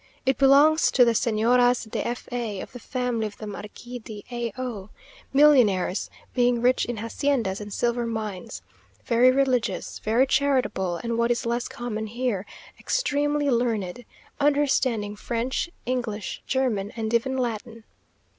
It belongs to the Señoras de F a, of the family of the Marquis de A o; millionaires being rich in haciendas and silver mines; very religious, very charitable, and what is less common here, extremely learned; understanding French, English, German, and even Latin.